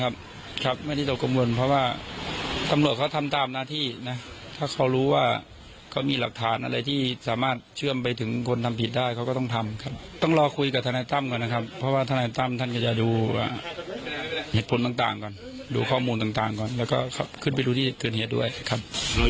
เหตุผลต่างต่างก่อนหรือข้อมูลต่างต่างก่อนแล้วก็ขึ้นไปดูที่ทนียดด้วยครับ